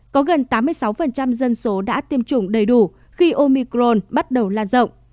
có gần tám mươi sáu dân số đã tiêm chủng đầy đủ khi omicron bắt đầu lan rộng